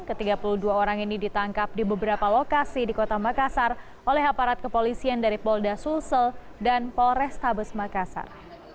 ketiga puluh dua orang ini ditangkap di beberapa lokasi di kota makassar oleh aparat kepolisian dari polda sulsel dan polrestabes makassar